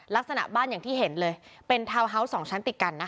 ลักษณะบ้านอย่างที่เห็นเลยเป็นทาวน์ฮาวส์๒ชั้นติดกันนะคะ